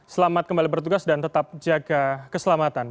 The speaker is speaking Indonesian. selamat kembali bertugas dan tetap jaga keselamatan